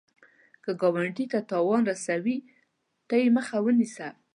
که ګاونډي ته تاوان رسوي، ته یې مخه ونیسه